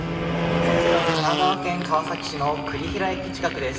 こちら神奈川県川崎市の栗平駅近くです。